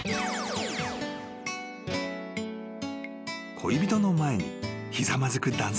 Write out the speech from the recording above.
［恋人の前にひざまずく男性］